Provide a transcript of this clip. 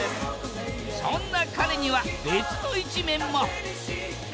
そんな彼には別の一面も！